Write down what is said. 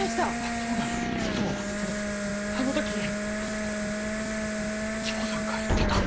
そうだよそうあの時丈さんが言ってた。